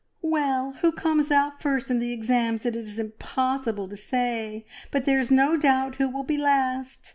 "Well, who comes out first in the exams it is impossible to say, but there is no doubt who will be last!